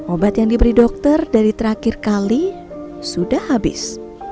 obat yang diberi dokter dari terakhir kali sudah habis